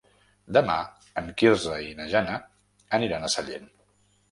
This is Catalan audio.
Demà en Quirze i na Jana aniran a Sallent.